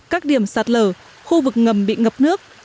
các điểm sạt lở khu vực ngầm bị ngập nước